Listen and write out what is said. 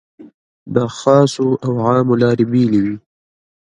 د خاصو او عامو لارې بېلې وې.